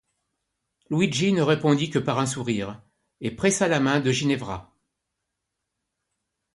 Luigi ne répondit que par un sourire, et pressa la main de Ginevra.